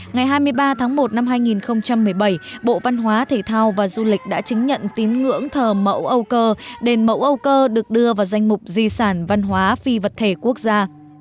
ngày hai mươi ba tháng một năm hai nghìn một mươi bảy bộ văn hóa thể thao và du lịch đã chứng nhận tín ngưỡng thờ mẫu âu cơ đền mẫu âu cơ được đưa vào danh mục di sản văn hóa phi vật thể quốc gia